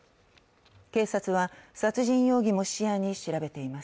警察は殺人容疑も視野に調べています。